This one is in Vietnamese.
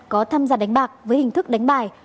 có thăm giặt đánh bạc với hình thức đánh bài